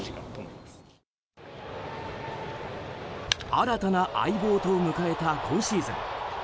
新たな相棒と迎えた今シーズン。